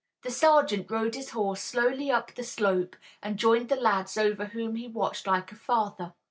The sergeant rode his horse slowly up the slope, and joined the lads over whom he watched like a father.